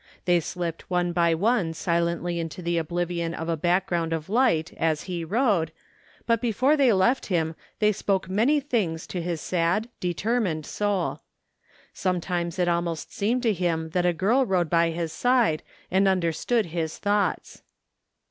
They slipped one by one silently into the oblivion of a back ground of light as he rode, but before they left him they spoke many things to his sad, determined soul. Sometimes it almost seemed to him that a girl rode at his side and imderstood his thoughts.